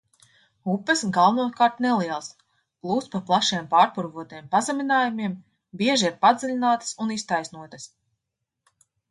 Upes galvenokārt nelielas, plūst pa plašiem pārpurvotiem pazeminājumiem, bieži ir padziļinātas un iztaisnotas.